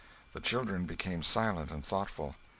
The children became silent and thoughtful.